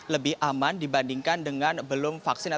lebih aman dibandingkan dengan belum vaksin